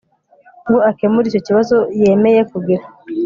ngo akemure icyo kibazo yemeye kugira